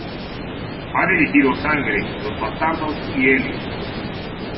Ha dirigido "Sangre", "Los bastardos" y "Heli".